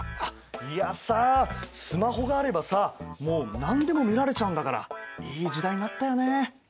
いやさスマホがあればさもう何でも見られちゃうんだからいい時代になったよね。